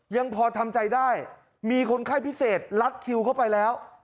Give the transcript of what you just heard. ยังพอทำใจได้มีคนไข้พิเศษลัดคิวเข้าไปแล้ว